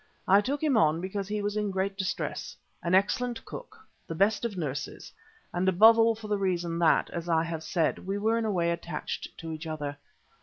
I took him on because he was in great distress, an excellent cook, the best of nurses, and above all for the reason that, as I have said, we were in a way attached to each other.